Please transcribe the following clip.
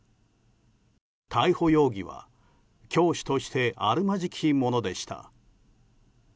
逮捕容疑は教師としてあるまじきものでした。